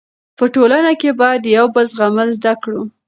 په ټولنه کې باید د یو بل زغمل زده کړو.